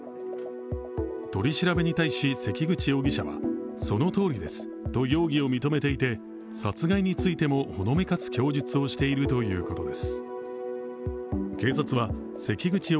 取り調べに対し関口容疑者は、そのとおりですと容疑を認めていて、殺害についてもほのめかす供述をしているということです。